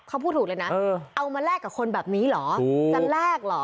เขาพูดถูกเลยนะเอามาแลกกับคนแบบนี้เหรอจะแลกเหรอ